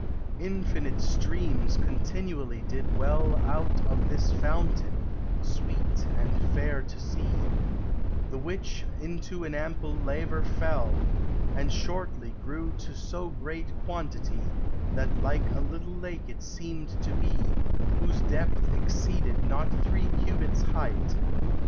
Infinit streames continually did well Out of this fountaine, sweet and faire to see, The which into an ample laver fell, And shortly grew to so great quantitie, That like a little lake it seemed to bee ; Whose depth exceeded not three cubits hight, * with attention. VI — 8 114 POEMH OF FANCY.